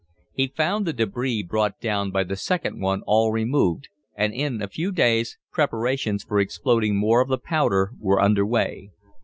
He found the debris brought down by the second one all removed, and in a few days, preparations for exploding more of the powder were under way.